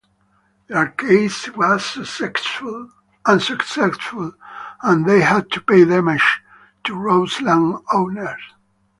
Their case was unsuccessful and they had to pay damages to Roseland's owners.